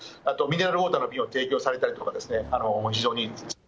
あとミネラルウォーターの瓶を提供されたりとかですね、非常に。